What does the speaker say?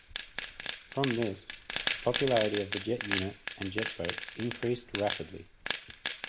From this, the popularity of the jet unit and jetboat increased rapidly.